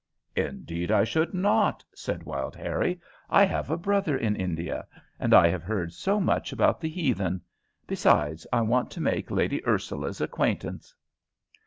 "Indeed I should not," said Wild Harrie. "I have a brother in India; and I have heard so much about the heathen. Besides, I want to make Lady Ursula's acquaintance."